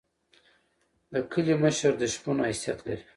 د کلی مشر د شپون حیثیت لري.